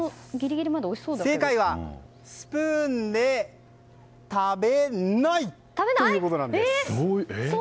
正解は、スプーンで食べないということなんです。